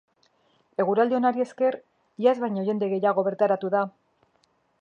Eguraldi onari esker, iaz baino jende gehiago bertaratu da.